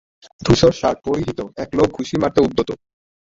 ধূসর শার্ট পরিহিত এক লোক ঘুষি মারতে উদ্যত